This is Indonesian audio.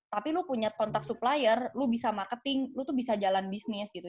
tapi lu punya kontak supplier lu bisa marketing lu tuh bisa jalan bisnis gitu